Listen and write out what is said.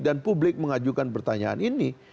dan publik mengajukan pertanyaan ini